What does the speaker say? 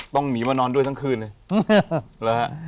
ต้องหนีมานอนด้วยทั้งคืนเลยนะฮะ